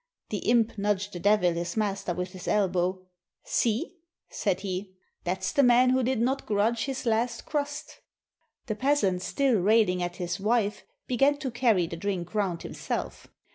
" The imp nudged the Devil, his master, with his elbow: "See," said he, "that's the man who did not grudge his last crust!" The peasant, still railing at his wife, began to carry the drink round himself.